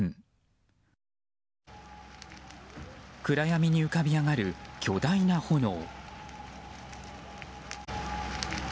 暗闇に浮かび上がる巨大な炎。